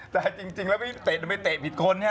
แต่จริงแล้วพี่เตะไม่เตะผิดคนไง